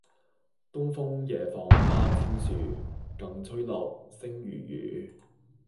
東風夜放花千樹，更吹落、星如雨